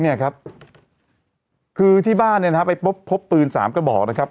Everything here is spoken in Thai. เนี่ยครับคือที่บ้านเนี่ยนะฮะไปพบพบปืนสามกระบอกนะครับ